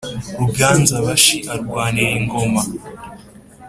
ruganza-bashi arwanira ingoma